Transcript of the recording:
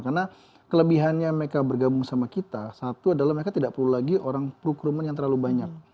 karena kelebihannya mereka bergabung sama kita satu adalah mereka tidak perlu lagi orang procurement yang terlalu banyak